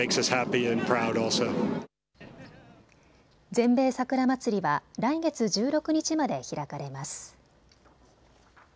全米桜祭りは来月１６日まで開かれます。